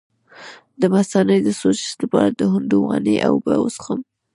د مثانې د سوزش لپاره د هندواڼې اوبه وڅښئ